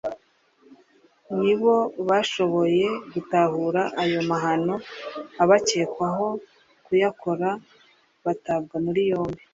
nibo bashoboye gutahura aya mahano abakekwaho kuyakora batabwa muri yombi